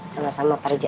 sama sama pak rija